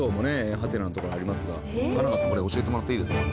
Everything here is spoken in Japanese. ハテナのところありますが金川さんこれ教えてもらっていいですか？